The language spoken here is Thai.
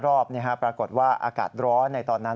รอบปรากฏว่าอากาศร้อนในตอนนั้น